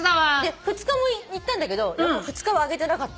２日も行ったんだけど２日は揚げてなかった。